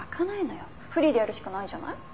フリーでやるしかないじゃない。